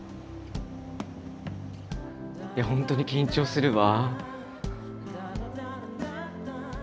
いや本当に緊張するわ。